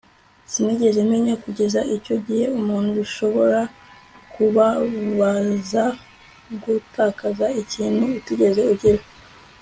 sinigeze menya kugeza icyo gihe ukuntu bishobora kubabaza gutakaza ikintu utigeze ugira